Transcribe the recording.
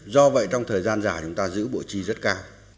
do vậy trong thời gian dài chúng ta giữ bộ chi rất cao